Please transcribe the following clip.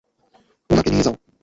ওনাকে নিয়ে যাও।